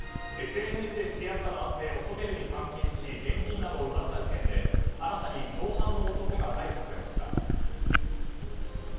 ＳＮＳで知り合った男性をホテルに監禁し現金などを奪った事件で新たに共犯の男が逮捕されました。